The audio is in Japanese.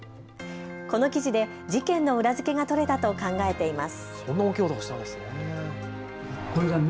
この記事で事件の裏付けが取れたと考えています。